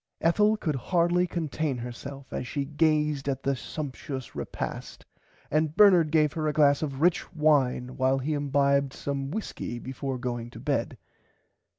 Ethel could hardly contain herself as she gazed at the sumpshious repast and Bernard gave her a glass of rich wine while he imbibed some whiskey before going to bed.